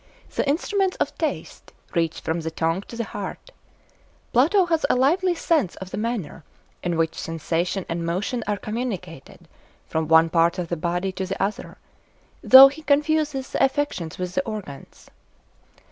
The instruments of taste reach from the tongue to the heart. Plato has a lively sense of the manner in which sensation and motion are communicated from one part of the body to the other, though he confuses the affections with the organs.